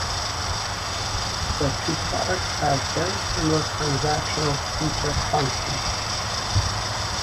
The two products have very similar transactional feature functions.